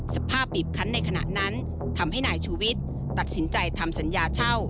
สภาพบีบคันในขณะนั้นทำให้นายชูวิทย์ตัดสินใจทำสัญญาเช่า